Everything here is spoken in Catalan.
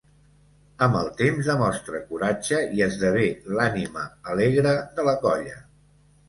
Amb el temps, demostra coratge i esdevé l'ànima alegre de la colla.